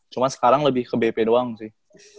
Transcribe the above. cuma sekarang lebih ke bp doang sih